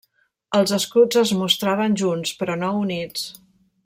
Els escuts es mostraven junts, però no units.